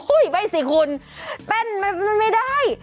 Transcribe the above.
อุ๊ยไม่สิคุณเต้นไม่ได้